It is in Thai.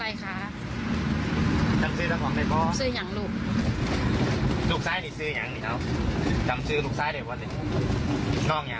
และที่เหลือเมืองเบอร์ที่มีอาวุธออกมา